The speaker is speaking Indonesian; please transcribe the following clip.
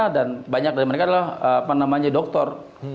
dan banyak dari mereka adalah apa namanya doktor